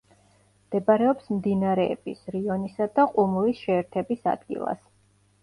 მდებარეობს მდინარეების რიონისა და ყუმურის შეერთების ადგილას.